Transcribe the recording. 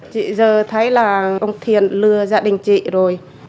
chị giờ thấy là ông thiền lừa gia đình chị rồi